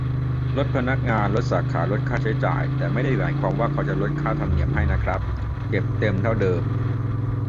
ลดพนักงาน ลดสาขา ลดค่าใช้จ่าย แต่ไม่ได้หมายความว่าเขาจะลดค่าธรรมเนียมให้นะครับ เก็บเต็มเท่าเดิม